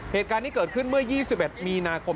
เหตุการณ์นี้เกิดขึ้นเมื่อ๒๑มีนาคม